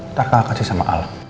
ntar kakak kasih sama allah